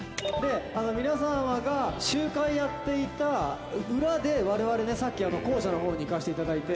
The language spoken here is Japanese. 「皆様が集会やっていた裏で我々ねさっき校舎の方に行かせて頂いて」